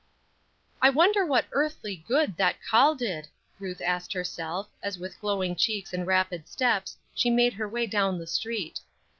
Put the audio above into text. "I wonder what earthly good that call did?" Ruth asked herself, as with glowing cheeks and rapid steps, she made her way down the street.